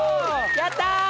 やったー！